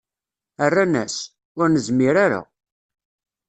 Rran-as: Ur nezmir ara.